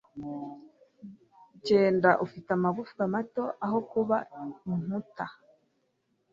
Genda ufite amagufwa mato aho kuba inkuta